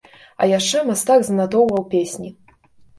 А яшчэ мастак занатоўваў песні.